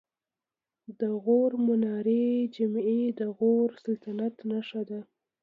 د غور منارې جمعې د غوري سلطنت نښه ده